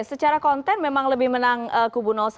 secara konten memang lebih menang kubu satu